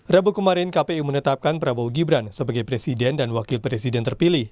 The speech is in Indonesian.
rabu kemarin kpu menetapkan prabowo gibran sebagai presiden dan wakil presiden terpilih